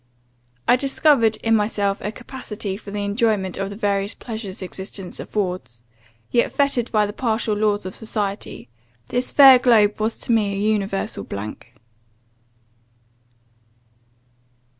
I discovered in myself a capacity for the enjoyment of the various pleasures existence affords; yet, fettered by the partial laws of society, this fair globe was to me an universal blank.